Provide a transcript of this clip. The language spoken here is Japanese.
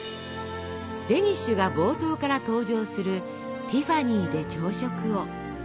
デニッシュが冒頭から登場する「ティファニーで朝食を」。